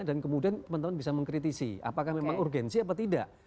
dan kemudian teman teman bisa mengkritisi apakah memang urgensi atau tidak